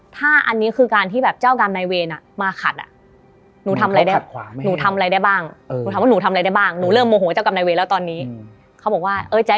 ถ้าอันนี้คือการที่เจ้ากำนายเวณน่ะ